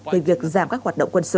về việc giảm các hoạt động quân sự